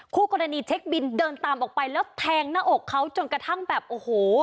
คู่กรณีเช็คบินเดินตามออกไปแล้วแทงหน้าอกเขาจนกระทั่งแบบโอ้โห